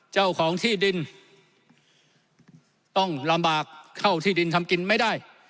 เจ้าของที่ดินต้องลำบากเข้าที่ดินทำกินไม่ได้